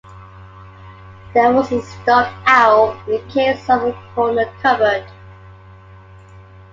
There was a stuffed owl in a case over a corner cupboard.